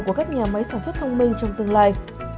của các nhà máy sản xuất thông minh trong tương lai